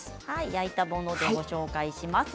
焼いたものでご紹介します。